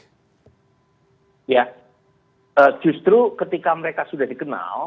ya justru ketika mereka sudah dikenal